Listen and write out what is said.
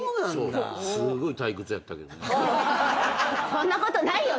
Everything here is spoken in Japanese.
そんなことないよ！